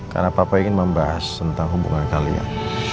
karena papa ingin membahas tentang hubungan kalian